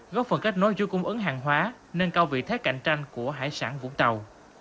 góp phần kết nối dưới cung ứng hàng hóa nâng cao vị thế cạnh tranh của hải sản vũng tàu